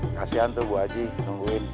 kasihan tuh bu haji nungguin